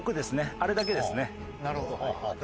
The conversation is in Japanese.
あれだけですね。